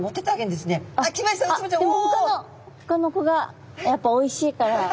でもほかの子がやっぱおいしいから。